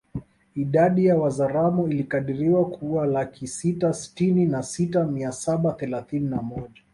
Idadi ya Wazaramo ilikadiriwa kuwalaki sita sitini na sita mia saba thelathini na moja